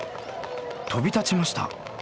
飛び立ちました。